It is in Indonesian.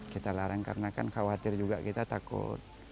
kita larang karena kan khawatir juga kita takut